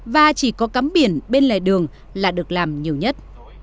và chỉ có cắm biển bên lề đường là được làm nhiều nhất